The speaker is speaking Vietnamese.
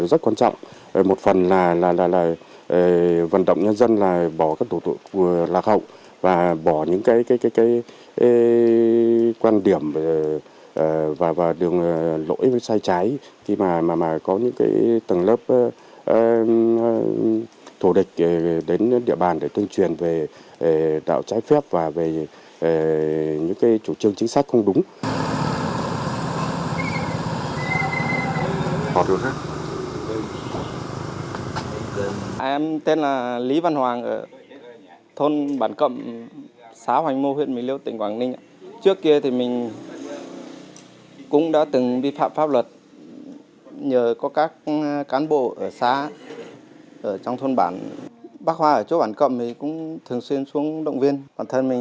đấu tranh phòng chống tội phạm đấu tranh phòng chống tội phạm đấu tranh phòng chống tội phạm đấu tranh phòng chống tội phạm